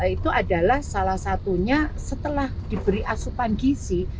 itu adalah salah satunya setelah diberi asupan gisi